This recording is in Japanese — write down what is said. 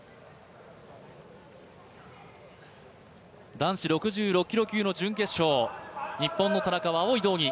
男子６６キロ級の準決勝、日本の田中は青い道着。